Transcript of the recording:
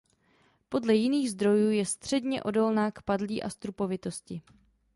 Podle jiných zdrojů je středně odolná k padlí a strupovitosti.